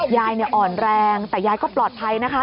ยายอ่อนแรงแต่ยายก็ปลอดภัยนะคะ